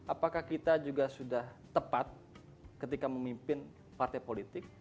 apakah kita juga sudah tepat ketika memimpin partai politik